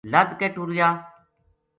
لد کے ٹُریا